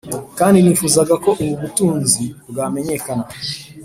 kandi nifuzaga ko ubu butunzi bwamenyekana,